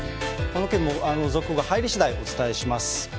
この件も続報が入りしだい、お伝えします。